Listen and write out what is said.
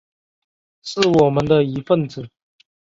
是我们的一分子